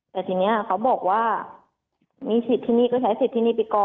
แต่ทีนี้เขาบอกว่ามีสิทธิ์ที่นี่ก็ใช้สิทธิ์ที่นี่ไปก่อน